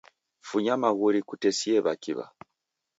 Funya maghuri kutesie w'akiw'a